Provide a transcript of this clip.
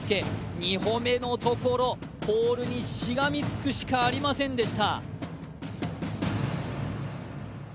２歩目のところ、ポールにしがみつくしかありませんでした。